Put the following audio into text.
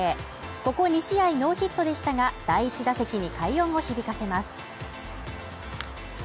ここ２試合ノーヒットでしたが、第１打席に快音を響かせます。